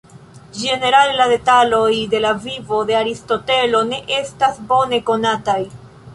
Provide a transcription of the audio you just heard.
Ĝenerale, la detaloj de la vivo de Aristotelo ne estas bone konataj.